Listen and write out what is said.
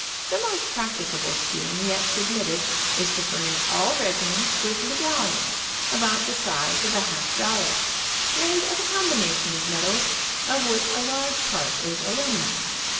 The most practicable scheme yet submitted is to furnish all regiments with medallions about the size of a half dollar, made of a combination of metals of which a large part is alumi num.